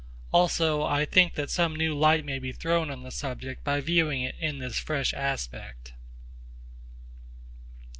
Also I think that some new light may be thrown on the subject by viewing it in this fresh aspect.